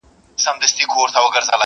سپیني سپیني مرغلري؛